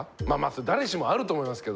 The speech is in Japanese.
誰しもあると思いますけど。